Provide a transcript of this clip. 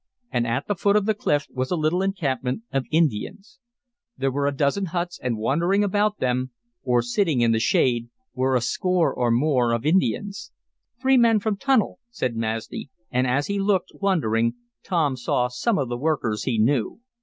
And at the foot of the cliff was a little encampment of Indians. There were a dozen huts, and wandering about them, or sitting in the shade, were a score or more of Indians. "There men from tunnel," said Masni, and, as he looked, wondering, Tom saw some of the workers he knew.